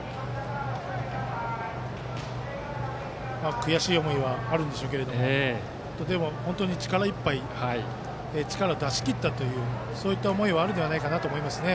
悔しい思いはあるでしょうけども本当に力を出し切ったという思いはあるのではないかと思います。